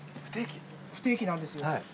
不定期なんです。